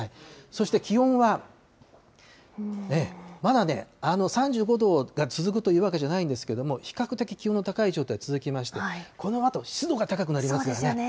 そして気温はまだね、３５度が続くというわけじゃないんですけれども、比較的気温の高い状態が続きまして、このあと湿度が高くなりますよね。